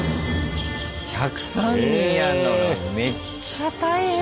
１０３人やんのめっちゃ大変じゃん。